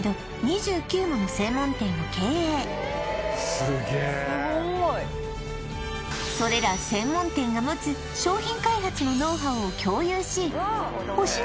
さらにはスゴいそれら専門店が持つ商品開発のノウハウを共有し星乃